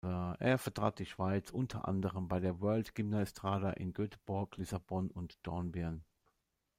Er vertrat die Schweiz unter anderem bei der World-Gymnaestrada in Göteborg, Lissabon und Dornbirn.